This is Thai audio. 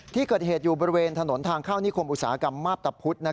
ที่เกิดเหตุอยู่บริเวณถนนทางเข้านิคมอุตสาหกรรมมาพตะพุธ